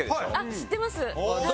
知ってます。